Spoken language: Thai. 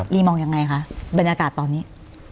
ลีมองยังไงคะบรรยากาศตอนนี้